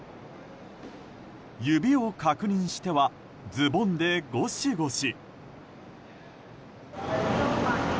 指を確認してはズボンでごしごし。